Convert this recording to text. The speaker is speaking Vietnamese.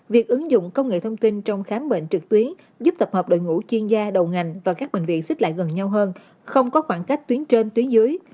việc ứng dụng công nghệ thông tin trong khám bệnh trực tuyến giúp tập hợp đội ngũ chuyên gia đầu ngành và các bệnh viện xích lại gần nhau hơn không có khoảng cách tuyến trên tuyến dưới